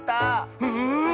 うん！